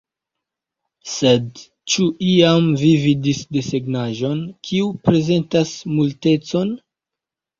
Sed, ĉu iam vi vidis desegnaĵon kiu reprezentas Multecon?